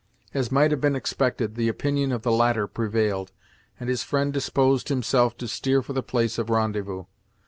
As might have been expected, the opinion of the latter prevailed, and his friend disposed himself to steer for the place of rendezvous.